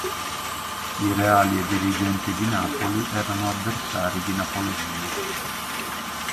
I reali e dirigenti di Napoli erano avversari di Napoleone.